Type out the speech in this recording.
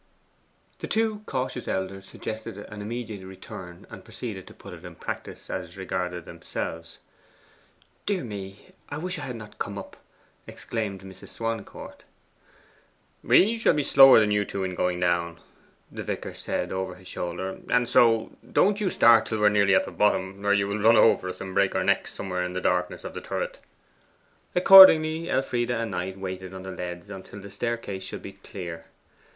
The two cautious elders suggested an immediate return, and proceeded to put it in practice as regarded themselves. 'Dear me, I wish I had not come up,' exclaimed Mrs. Swancourt. 'We shall be slower than you two in going down,' the vicar said over his shoulder, 'and so, don't you start till we are nearly at the bottom, or you will run over us and break our necks somewhere in the darkness of the turret.' Accordingly Elfride and Knight waited on the leads till the staircase should be clear.